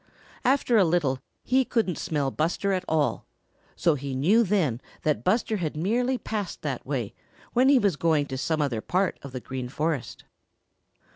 After a little he couldn't smell Buster at all, so he knew then that Buster had merely passed that way when he was going to some other part of the Green Forest.